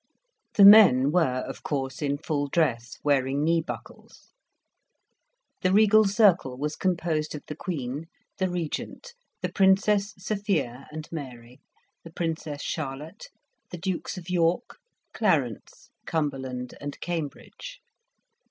The men were, of course, in full dress, wearing knee buckles. The regal circle was composed of the Queen, the Regent, the Princess Sophia and Mary, the Princess Charlotte, the Dukes of York, Clarence, Cumberland, and Cambridge.